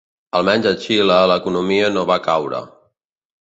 Almenys a Xile l’economia no va caure.